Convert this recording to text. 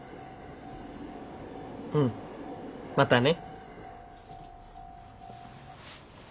うんまたね。